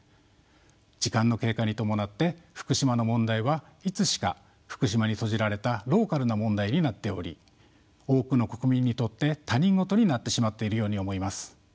時間の経過に伴って福島の問題はいつしか福島に閉じられたローカルな問題になっており多くの国民にとって他人事になってしまっているように思います。